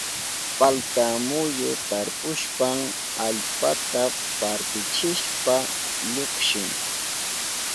Palta muyu tarpushpan allpata partichishpa llukshin.